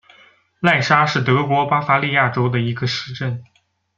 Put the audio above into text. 赖沙是德国巴伐利亚州的一个市镇。